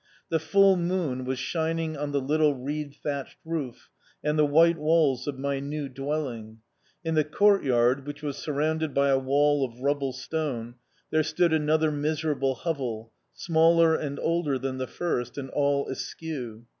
The full moon was shining on the little reed thatched roof and the white walls of my new dwelling. In the courtyard, which was surrounded by a wall of rubble stone, there stood another miserable hovel, smaller and older than the first and all askew.